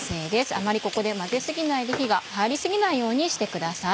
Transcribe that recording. あまりここで混ぜ過ぎないで火が入り過ぎないようにしてください。